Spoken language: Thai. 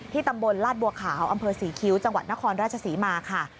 ตำบลลาดบัวขาวอำเภอศรีคิ้วจังหวัดนครราชศรีมาค่ะ